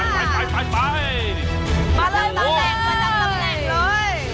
มาจับแรงเลย